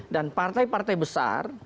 dan partai partai besar